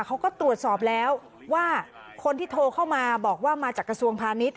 เขาก็ตรวจสอบแล้วว่าคนที่โทรเข้ามาบอกว่ามาจากกระทรวงพาณิชย